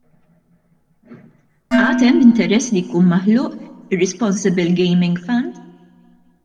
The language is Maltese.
Għad hemm interess li jkun maħluq ir-Responsible Gaming Fund?